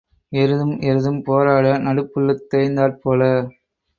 எருதும் எருதும் போராட நடுப்புல்லுத் தேய்ந்தாற் போல.